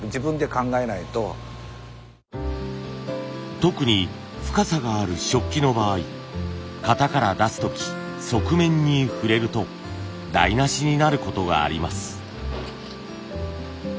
特に深さがある食器の場合型から出す時側面に触れると台なしになることがあります。